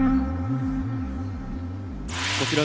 こちら